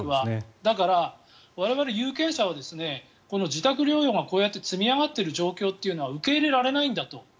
だから、我々有権者は自宅療養が積み上がっている状況は受け入れられないんだと。